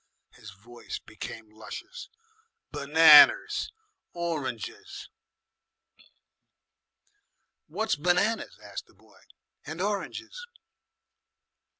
His voice became luscious "Benanas, oranges." "What's benanas?" asked the boy, "and oranges?"